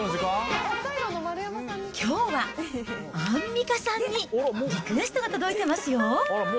きょうはアンミカさんにリクエストが届いてますよ。